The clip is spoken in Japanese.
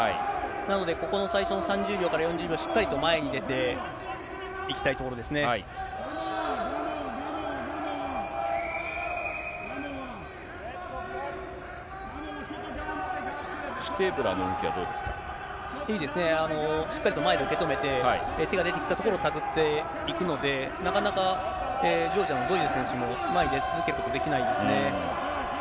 なので、ここの最初の３０秒から４０秒しっかりと前に出ていきたいところシュテーブラーの動きはどういいですね、しっかりと前で受け止めて、手が出てきたところをたぐっていくので、なかなかジョージアのゾイゼ選手も前に出続けることができないですね。